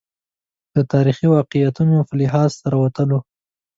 د تاریخي واقعیتونو په لحاظ سره وتلو.